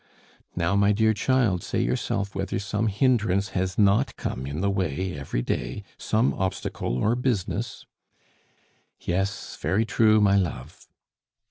"Now, my dear child! say yourself whether some hindrance has not come in the way every day; some obstacle or business?" "Yes, very true, my love."